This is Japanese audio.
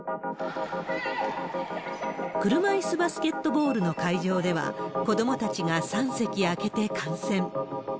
車いすバスケットボールの会場では、子どもたちが３席空けて観戦。